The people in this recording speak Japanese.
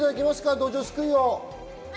どじょうすくいを。